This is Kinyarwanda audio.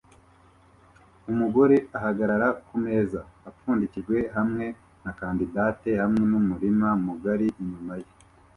Umugore ahagarara kumeza apfundikijwe hamwe na condiments hamwe numurima mugari inyuma ye